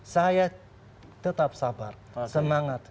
saya tetap sabar semangat